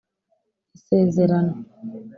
“Isezerano”